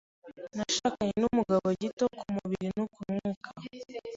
Nashakanye n’umugabo gito ku mubiri no ku munwa